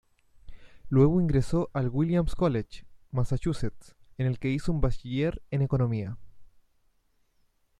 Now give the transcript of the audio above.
Luego ingresó al Williams College, Massachusetts, en el que hizo un bachiller en Economía.